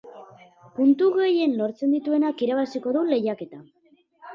Puntu gehien lortzen dituenak irabaziko du lehiaketa.